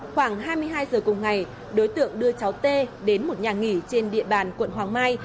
khoảng hai mươi hai giờ cùng ngày đối tượng đưa cháu tê đến một nhà nghỉ trên địa bàn quận hoàng mai